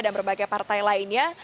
dan berbagai partai lainnya